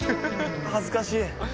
はずかしい。